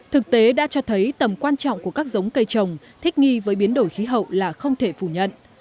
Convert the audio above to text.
thực tế đã cho thấy tầm quan trọng của các giống cây trồng thích nghi với biến đổi khí hậu là không thể phủ nhận